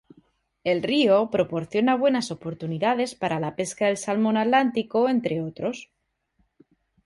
El río proporciona buenas oportunidades para la pesca del salmón atlántico, entre otros.